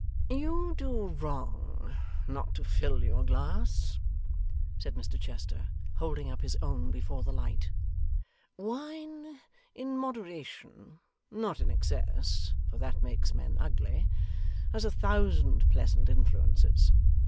'You do wrong not to fill your glass,' said Mr Chester, holding up his own before the light. 'Wine in moderation not in excess, for that makes men ugly has a thousand pleasant influences.